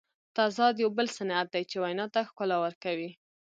تضاد یو بل صنعت دئ، چي وینا ته ښکلا ورکوي.